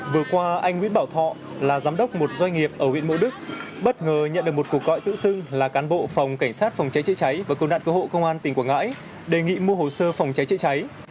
vừa qua anh nguyễn bảo thọ là giám đốc một doanh nghiệp ở huyện mộ đức bất ngờ nhận được một cuộc gọi tự xưng là cán bộ phòng cảnh sát phòng trái trữ trái và cứu nạn cứu hộ công an tỉnh quảng ngãi đề nghị mua hồ sơ phòng trái trữ trái